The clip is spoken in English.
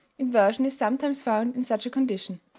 Inversion is sometimes found in such a condition.